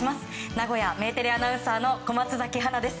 名古屋、メテレアナウンサーの小松崎花菜です。